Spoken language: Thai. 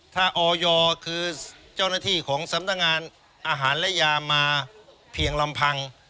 ถ้าออยคือเจ้าหน้าที่ของสำนักงานอาหารและยามาเพียงลำพัง